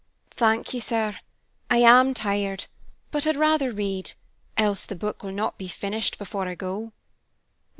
"Thank you, sir. I am tired, but I'd rather read, else the book will not be finished before I go."